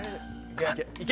いけ！